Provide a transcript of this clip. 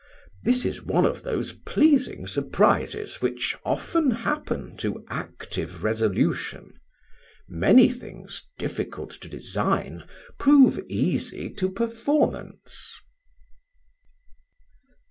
This is one of those pleasing surprises which often happen to active resolution. Many things difficult to design prove easy to performance."